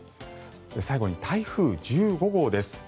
最後に台風１５号です。